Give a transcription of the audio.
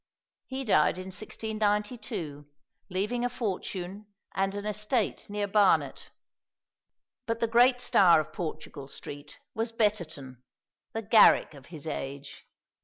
He died in 1692, leaving a fortune and an estate near Barnet. But the great star of Portugal Street was Betterton, the Garrick of his age.